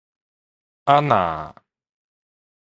啊若